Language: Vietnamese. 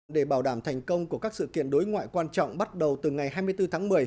để bảo đảm thành công của các sự kiện đối ngoại quan trọng bắt đầu từ ngày hai mươi bốn tháng một mươi